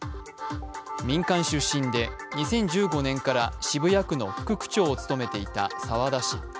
民間出身で２０１５年から渋谷区の副区長を務めていた沢田氏。